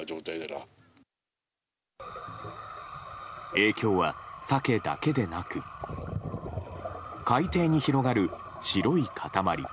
影響はサケだけでなく海底に広がる白い塊。